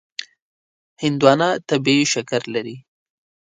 هندوانه طبیعي شکر لري.